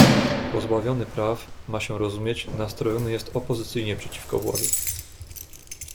"Pozbawiony praw, ma się rozumieć, nastrojony jest opozycyjnie przeciwko władzy."